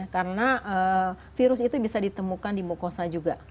karena virus itu bisa ditemukan di mucosa juga